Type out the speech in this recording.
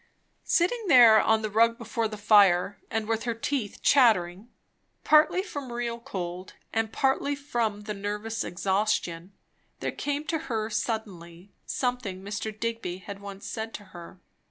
Sitting there on the rug before the fire, and with her teeth chattering, partly from real cold and partly from the nervous exhaustion, there came to her suddenly something Mr. Digby had once said to her.